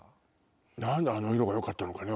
何であの色がよかったのかね？